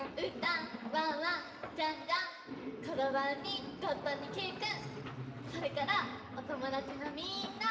ワンワンジャンジャンコロバウにゴットンにけいくんそれからおともだちのみんな！